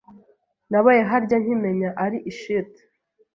Nabaye harya nkimenya ari ishiti